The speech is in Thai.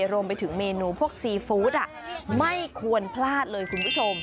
รวมไปถึงเมนูพวกซีฟู้ดไม่ควรพลาดเลยคุณผู้ชม